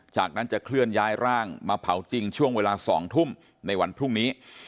จากนั้นจะเคลื่อนย้ายร่างมาเผาจริงช่วงเวลา๒ทุ่มในวันพรุ่งนี้